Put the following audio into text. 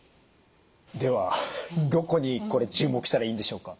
ではどこにこれ注目したらいいんでしょうか？